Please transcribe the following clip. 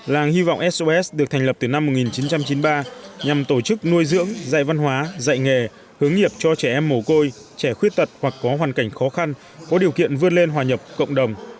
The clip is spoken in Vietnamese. làng hy vọng sos được thành lập từ năm một nghìn chín trăm chín mươi ba nhằm tổ chức nuôi dưỡng dạy văn hóa dạy nghề hướng nghiệp cho trẻ em mồ côi trẻ khuyết tật hoặc có hoàn cảnh khó khăn có điều kiện vươn lên hòa nhập cộng đồng